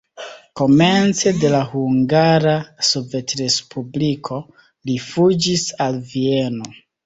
Komence de la Hungara Sovetrespubliko li fuĝis al Vieno.